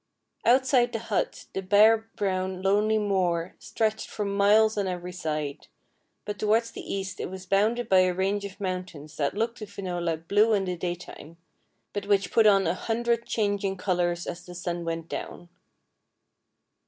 Outside the hut the bare, brown, lonely moor stretched for miles on every side, but towards the east it was bounded by a range of mountains that looked to Finola blue in the daytime, but which put on a hundred changing colors as the sun went down.